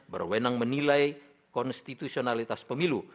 berwenang menilai konstitusionalitas pemilu